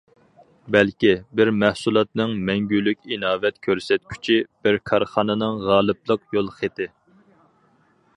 بەلكى، بىر مەھسۇلاتنىڭ مەڭگۈلۈك ئىناۋەت كۆرسەتكۈچى، بىر كارخانىنىڭ غالىبلىق يول خېتى.